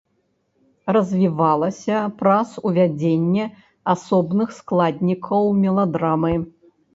Развівалася праз увядзенне асобных складнікаў меладрамы.